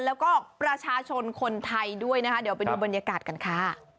แล้วก็ประชาชนคนไทยด้วยนะคะเดี๋ยวไปดูบรรยากาศกันค่ะ